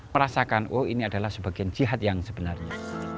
merasakan oh ini adalah sebagian jihad yang sebenarnya